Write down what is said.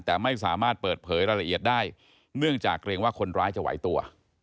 แต่ไม่สามารถเปิดเผยรายละเอียดได้เนื่องจากเกรงว่าคนร้ายจะไหวตัว